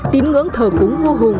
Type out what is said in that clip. tín ngưỡng thờ cúng vô hùng